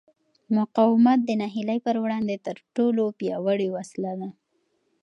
مقاومت د ناهیلۍ پر وړاندې تر ټولو پیاوړې وسله ده.